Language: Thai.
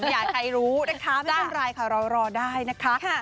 ไม่อยากใครรู้นะคะไม่ต้องรายค่ะเรารอได้นะคะ